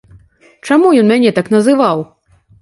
Чаму ён мяне так называў?